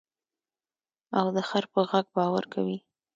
او د خر په غږ باور کوې.